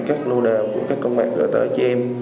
các lô đề của các công an gửi tới cho em